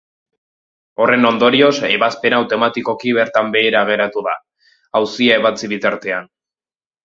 Horren ondorioz, ebazpena automatikoki bertan behera geratu da, auzia ebatzi bitartean.